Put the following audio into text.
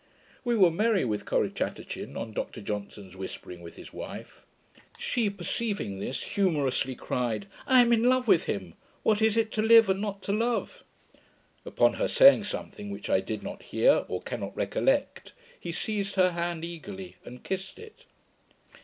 We were merry with Corrichatachin, on Dr Johnson's whispering with his wife. She, perceiving this, humorously cried, 'I am in love with him. What is it to live and not to love?' Upon her saying something, which I did not hear, or cannot recollect, he seized her hand eagerly, and kissed it.